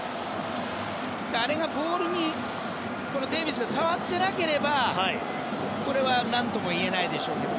ボールをデイビスが触っていなければ何ともいえないでしょうけど